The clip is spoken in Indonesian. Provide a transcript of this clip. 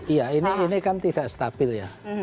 iya ini kan tidak stabil ya